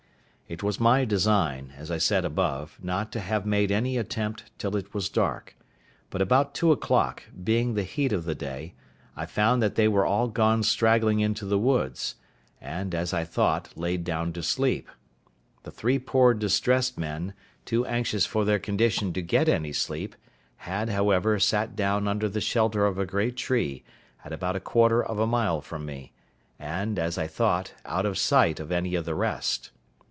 It was my design, as I said above, not to have made any attempt till it was dark; but about two o'clock, being the heat of the day, I found that they were all gone straggling into the woods, and, as I thought, laid down to sleep. The three poor distressed men, too anxious for their condition to get any sleep, had, however, sat down under the shelter of a great tree, at about a quarter of a mile from me, and, as I thought, out of sight of any of the rest.